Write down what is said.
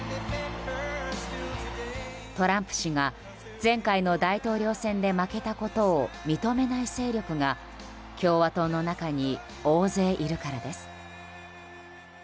トランプ氏が前回の大統領選で負けたことを認めない勢力が共和党の中に大勢いるからです。